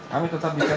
kami tetap dikenal